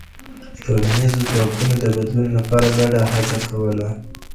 ټولنيزو ځواکونو د بدلون لپاره ګډه هڅه وکړه.